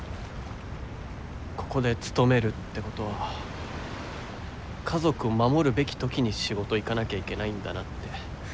ここで勤めるってことは家族を守るべき時に仕事行かなきゃいけないんだなって。